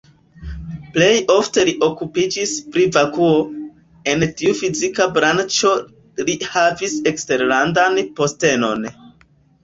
Plej ofte li okupiĝis pri vakuo, en tiu fizika branĉo li havis eksterlandan postenon.